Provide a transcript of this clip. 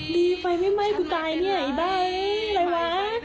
ดีไฟไม่ไหม้กูตายเหนื่อยได้อะไรวะ